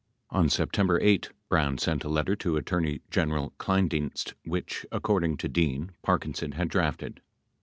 On September 8, Brown sent a letter to Attorney General Kleindienst which, according to Dean, Parkinson had drafted.